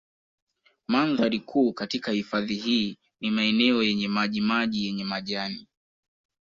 Mandhari kuu katika hifadhi hii ni maeneo yenye maji maji yenye majani